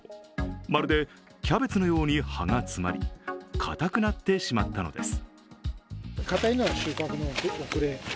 まるでキャベツのように葉が詰まり、固くなってしまったのです。